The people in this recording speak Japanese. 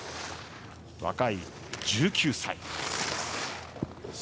若い、１９歳。